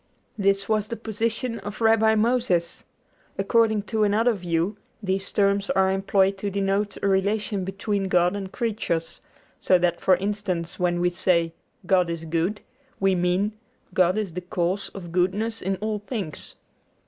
This was the position of Rabbi Moses. According to another view these terms are employed to denote a relation between God and creatures; so that for instance, when we say, God is good, we mean, God is the cause of goodness in all things.